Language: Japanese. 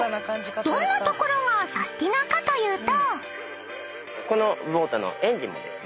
どんなところがサスティなかというと］